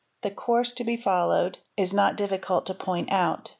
The course to be followed is not difficult to point out.